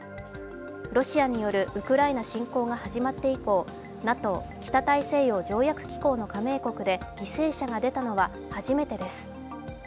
ロシアによるウクライナ侵攻が始まって以降ＮＡＴＯ＝北大西洋条約機構の加盟国で犠牲者が出たのは初めてです。